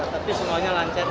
tapi semuanya lancet sih